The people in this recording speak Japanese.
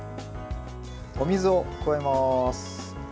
お水を加えます。